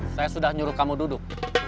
saya sudah nyuruh kamu duduk